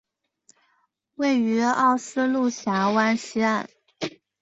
位于奥斯陆峡湾西岸。